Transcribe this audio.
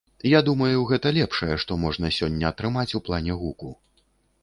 Я думаю, гэта лепшае, што можна сёння атрымаць у плане гуку.